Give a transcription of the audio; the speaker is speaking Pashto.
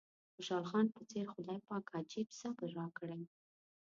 د خوشحال خان په څېر خدای پاک عجيب صبر راکړی.